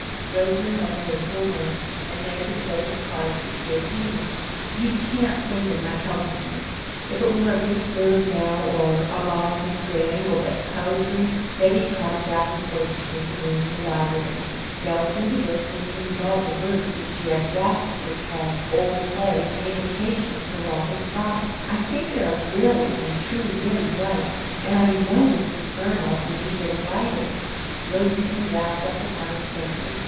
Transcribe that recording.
Rosamond led the way to her room, and there displayed the cards which she had painted. "You can't think of my helplessness! If it were a Greek verb now, or a lost and strayed angle but poetry!" Betty trotted back and forth between the room and the library, delved into books, and even evolved a verse which she audaciously tagged "old play," in imitation of Sir Walter Scott. "I think they are really and truly very bright, and I know Mrs. Fernell will be delighted." Rosamond wrapped up the cards carefully.